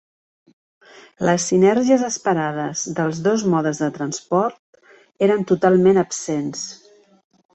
Les sinergies esperades dels dos modes de transport eren totalment absents.